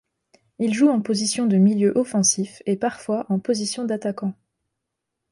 Il joue en position de milieu offensif, et parfois en position d'attaquant.